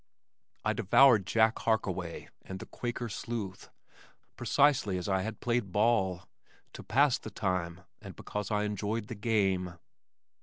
I devoured Jack Harkaway and The Quaker Sleuth precisely as I played ball to pass the time and because I enjoyed the game.